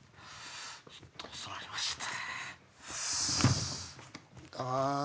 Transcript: ちょっと遅ぅなりました。